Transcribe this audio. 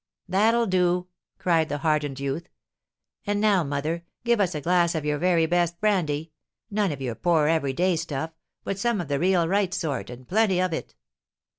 "That'll do!" cried the hardened youth. "And now, mother, give us a glass of your very best brandy; none of your poor, every day stuff, but some of the real right sort, and plenty of it.